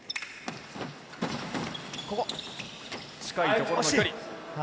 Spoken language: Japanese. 近いところの距離。